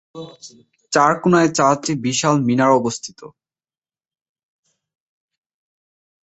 চারকোনায় চারটি বিশাল মিনার অবস্থিত।